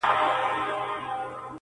خدایه ته مل سې د ناروغانو!